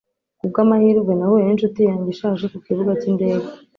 ku bw'amahirwe, nahuye n'inshuti yanjye ishaje ku kibuga cy'indege